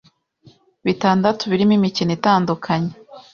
bitandatu birimo imikino itandukanye,